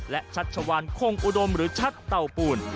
และชัชวานคงอุดมหรือชัดเต่าปูน